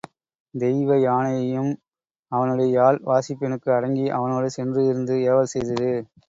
தெய்வ யானையும் அவனுடைய யாழ் வாசிப்பினுக்கு அடங்கி அவனோடு சென்று இருந்து ஏவல் செய்தது.